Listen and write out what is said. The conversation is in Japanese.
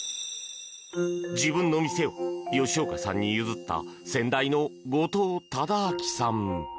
自分の店を吉岡さんに譲った先代の後藤忠明さん。